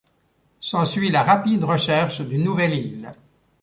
S’ensuit la rapide recherche d’une nouvelle île.